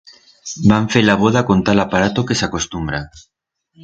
Van fer la voda con tal aparato que s'acostumbra.